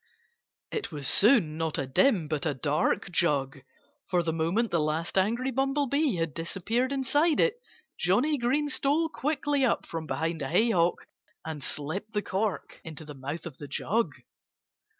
It was soon not a dim but a dark jug. For the moment the last angry Bumblebee had disappeared inside it Johnnie Green stole quickly up from behind a haycock and slipped the cork into the mouth of the jug.